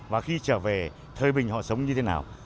và khi trở về thời bình họ sống như thế nào